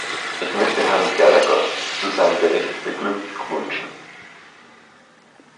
Ich möchte Herrn Gallagher zu seinem Bericht beglückwünschen.